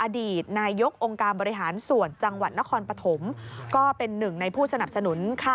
อดีตนายกองค์การบริหารส่วนจังหวัดนครปฐมก็เป็นหนึ่งในผู้สนับสนุน